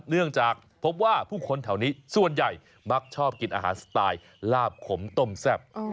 เนื่องจากพบว่าผู้คนแถวนี้ส่วนใหญ่มักชอบกินอาหารสไตล์ลาบขมต้มแซ่บ